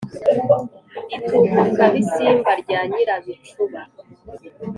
I Tubuka-bisimba rya Nyirabicuba